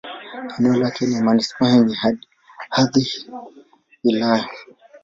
Eneo lake ni manisipaa yenye hadhi ya wilaya.